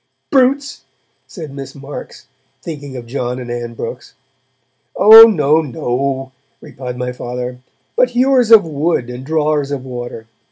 'Brutes!' said Miss Marks, thinking of John and Ann Brooks. 'Oh no! no!' replied my Father, 'but hewers of wood and drawers of water!